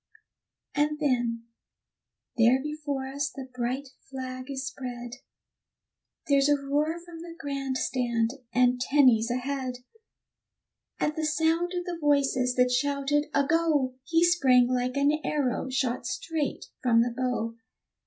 And then, there before us the bright flag is spread, There's a roar from the grand stand, and Tenny's ahead; At the sound of the voices that shouted "a go!" He sprang like an arrow shot straight from the bow.